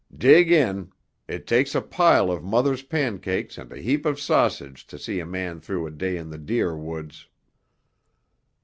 "Dig in. It takes a pile of Mother's pancakes and a heap of sausage to see a man through a day in the deer woods."